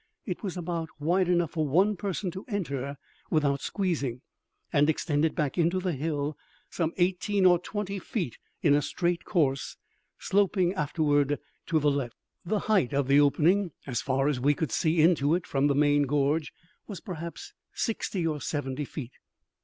It was about wide enough for one person to enter without squeezing, and extended back into the hill some eighteen or twenty feet in a straight course, sloping afterward to the left. The height of the opening, is far as we could see into it from the main gorge, was perhaps sixty or seventy feet.